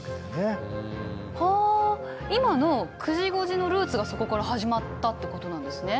はあ今の９時５時のルーツがそこから始まったってことなんですね。